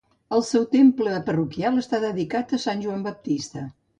El seu temple parroquial està dedicat a Sant Joan Baptista.